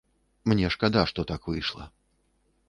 Мне шкада, што так выйшла.